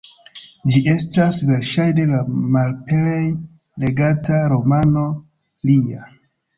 Ĝi estas verŝajne la malplej legata romano lia.